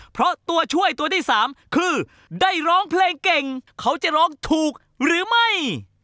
โปรดติดตามตอนต่อไป